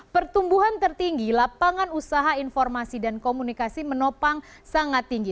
pertumbuhan tertinggi lapangan usaha informasi dan komunikasi menopang sangat tinggi